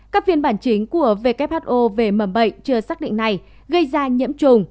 các phiên bản chính của who về mầm bệnh chưa xác định này gây ra nhiễm trùng